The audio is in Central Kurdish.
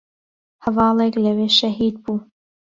هەڤاڵێک لەوێ شەهید بوو